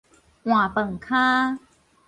換飯坩